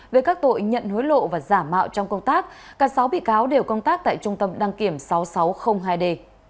về các tội nhận hối lộ và giả mạo trong công tác cả sáu bị cáo đều công tác tại trung tâm đăng kiểm sáu nghìn sáu trăm linh hai d